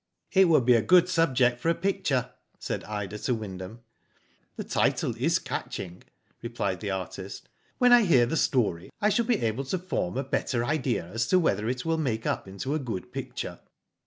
"It would be a good subject for a picture," said Ida to Wyndham. "The title is catching" replied the artist. "When I hear the story I shall be able to form a better idea as to v/hether it will make up into a good picture."